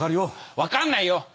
分かんないよ。